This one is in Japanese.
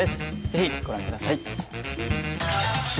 ぜひご覧ください。